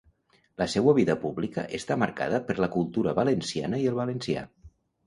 La seua vida pública està marcada per la cultura valenciana i el valencià.